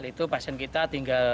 itu pasien kita tinggal